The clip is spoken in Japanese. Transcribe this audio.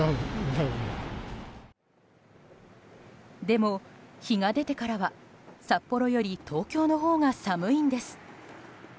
でも日が出てからは、札幌より東京のほうが寒いんです。